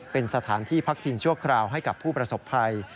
เป็นสถานที่พักพิงชั่วคราวให้กับผู้ประสบภัย